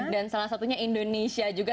dan salah satunya indonesia juga